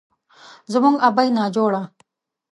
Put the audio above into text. زموږ ابۍ ناجوړه،